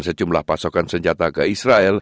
sejumlah pasokan senjata ke israel